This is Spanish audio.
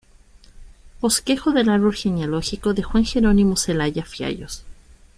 Bosquejo del árbol genealógico de Juan Jerónimo Zelaya Fiallos.